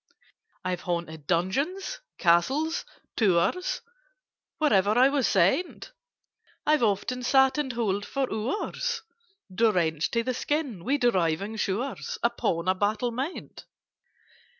"I've haunted dungeons, castles, towers— Wherever I was sent: I've often sat and howled for hours, Drenched to the skin with driving showers, Upon a battlement.